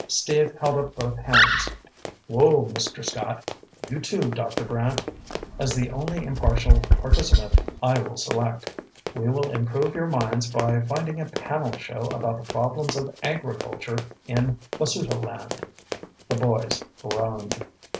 Steve held up both hands. "Whoa, Mr. Scott. You too, Dr. Brant. As the only impartial participant, I will select. We will improve your minds by finding a panel show about the problems of agriculture in Basutoland." The boys groaned.